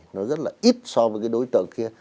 nó rất là ít so với đối tượng kia